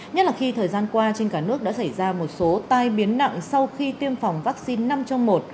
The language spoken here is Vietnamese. nhất là khi thời gian qua trên cả nước đã xảy ra một số tai biến nặng sau khi tiêm phòng vaccine năm trong một